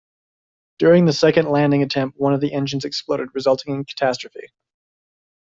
During the second landing attempt, one of the engines exploded, resulting in catastrophe.